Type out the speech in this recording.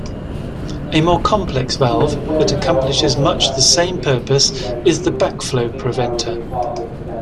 A more complex valve that accomplishes much the same purpose is the backflow preventer.